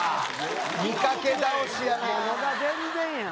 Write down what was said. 見かけ倒しやな。